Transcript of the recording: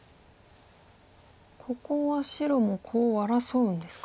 ここは白もコウを争うんですか？